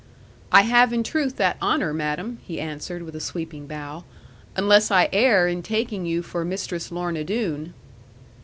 '"I have in truth that honour, madam," he answered, with a sweeping bow; "unless I err in taking you for Mistress Lorna Doone."